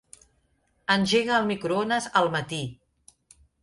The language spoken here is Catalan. Engega el microones al matí.